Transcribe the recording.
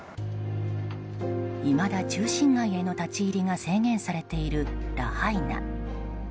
いまだ中心街への立ち入りが制限されているラハイナ。